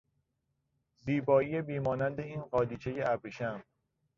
زیبایی بیمانند این قالیچهی ابریشم